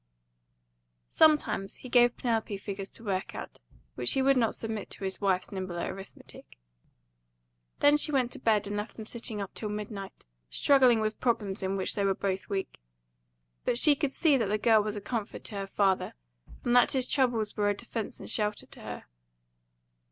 Sometimes he gave Penelope figures to work at, which he would not submit to his wife's nimbler arithmetic. Then she went to bed and left them sitting up till midnight, struggling with problems in which they were both weak. But she could see that the girl was a comfort to her father, and that his troubles were a defence and shelter to her.